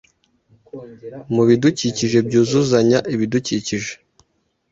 mubidukikije byuzuzanya ibidukikije